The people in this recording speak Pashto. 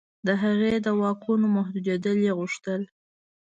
د هغې د واکونو محدودېدل یې غوښتل.